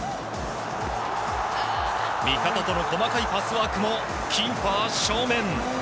味方との細かいパスワークもキーパー正面。